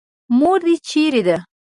مور دې چېرې ده.